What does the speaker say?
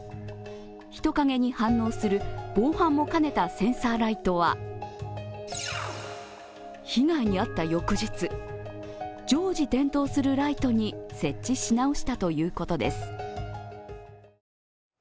人影に反応する防犯も兼ねたセンサーライトは被害に遭った翌日常時点灯するライトに設置し直したということです。